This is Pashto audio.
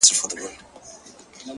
ستا جدايۍ ته به شعرونه ليکم،